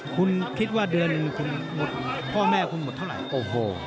คุณคิดว่าเดือนคุณหมดพ่อแม่คุณหมดเท่าไหร่โอ้โห